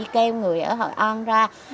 kêu người ở hội an ra